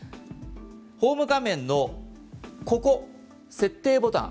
ホーム画面のここ、設定ボタン